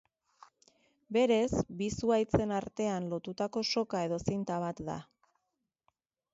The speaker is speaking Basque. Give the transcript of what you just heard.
Berez, bi zuhaitzen artean lotutako soka edo zinta bat da.